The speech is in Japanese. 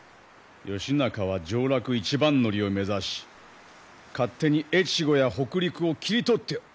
義仲は上洛一番乗りを目指し勝手に越後や北陸を斬り取っておる。